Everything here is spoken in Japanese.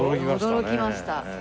驚きましたね。